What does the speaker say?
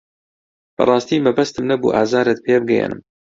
بەڕاستی مەبەستم نەبوو ئازارت پێ بگەیەنم.